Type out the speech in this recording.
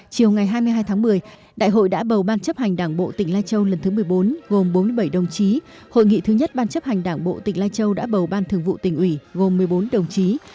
chiều ngày hai mươi hai tháng một mươi đại hội đã bầu ban chấp hành đảng bộ tỉnh lai châu lần thứ một mươi bốn gồm bốn mươi bảy đồng chí hội nghị thứ nhất ban chấp hành đảng bộ tỉnh lai châu đã bầu ban thường vụ tỉnh ủy gồm một mươi bốn đồng chí